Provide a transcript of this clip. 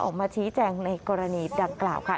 ออกมาชี้แจงในกรณีดังกล่าวค่ะ